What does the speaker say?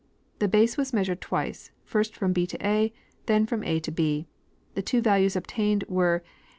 The base was measured twice ; first fi om B to A, then from A to B. The two values obtained were 962.